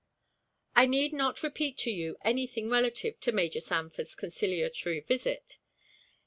I need not repeat to you any thing relative to Major Sanford's conciliatory visit.